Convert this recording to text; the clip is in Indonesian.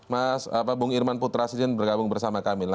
mas bung irman putra sidin bergabung bersama kami